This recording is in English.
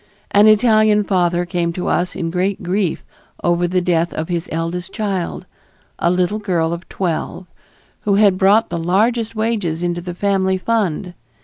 An Italian father came to us in great grief over the death of his eldest child, a little girl of twelve, who had brought the largest wages into the family fund.